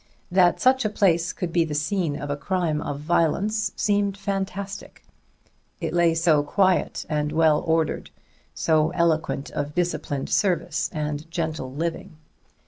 That such a place could be the scene of a crime of violence seemed fantastic; it lay so quiet and well ordered, so eloquent of disciplined service and gentle living.